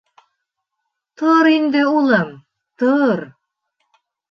— Тор инде, улым, тор.